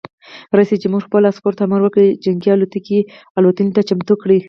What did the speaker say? رئیس جمهور خپلو عسکرو ته امر وکړ؛ جنګي الوتکې الوتنې ته چمتو کړئ!